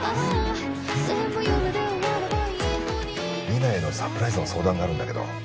リナへのサプライズの相談があるんだけど。